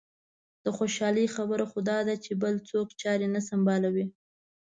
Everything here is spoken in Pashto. د خوشالۍ خبره خو دا ده چې بل څوک چارې سنبالوي.